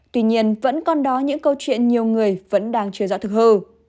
tuy nhiên vẫn còn đó những câu chuyện nhiều người vẫn đang chưa rõ thực hư